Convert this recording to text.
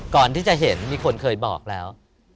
ก่อนที่จะเห็นมีคนเคยบอกแล้ว